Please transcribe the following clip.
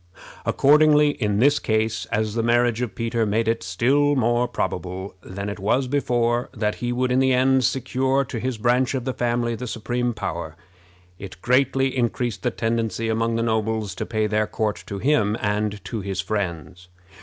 Accordingly, in this case, as the marriage of Peter made it still more probable than it was before that he would in the end secure to his branch of the family the supreme power, it greatly increased the tendency among the nobles to pay their court to him and to his friends.